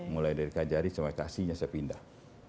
mulai dari kajari sampai kasihnya saya pindah